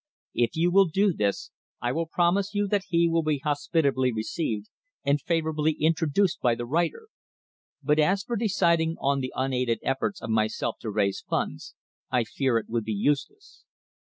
If you will do this, I will promise you that he will be hospitably received and favourably introduced by the writer. But as for depending on the unaided efforts of myself to raise funds, I fear it would be useless.